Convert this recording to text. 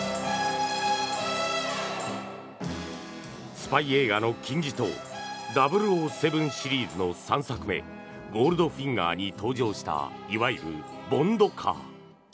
スパイ映画の金字塔「００７」シリーズの３作目「ゴールドフィンガー」に登場した、いわゆるボンドカー。